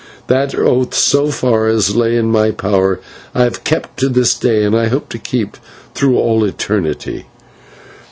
That oath, so far as lay in my power, I have kept to this day, and I hope to keep through all eternity.